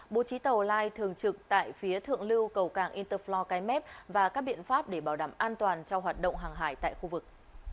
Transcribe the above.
bố trí tàu lai thường trực tại phía thượng lưu cầu cảng interfloor cái mép và các biện pháp để bảo đảm an toàn cho hoạt động hàng hải tại khu vực